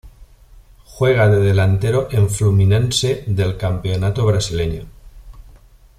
Juega de delantero en Fluminense del Campeonato Brasileño.